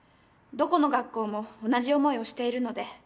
どこの学校も同じ思いをしているので。